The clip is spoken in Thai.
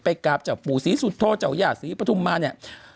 ไปกราบจากปู่ศรีสุทธโจยะศรีปฐุมมาเนี้ย